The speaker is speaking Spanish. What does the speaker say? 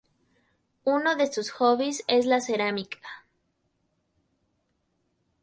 Uno de sus hobbies es la cerámica.